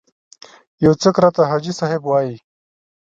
یو څوک راته حاجي صاحب وایي.